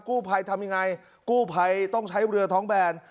กู้ไภทำอย่างไรกู้ไภต้องใช้เรือท้องแบน